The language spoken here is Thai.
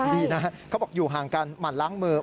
ดีนะเขาบอกอยู่ห่างกันหมั่นล้างมือ